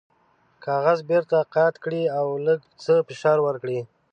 کاغذ بیرته قات کړئ او لږ څه فشار ورکړئ.